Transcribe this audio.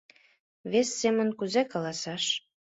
вес семын кузе каласаш